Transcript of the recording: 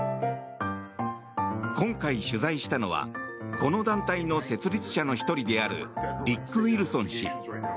今回取材したのはこの団体の設立者の１人であるリック・ウィルソン氏。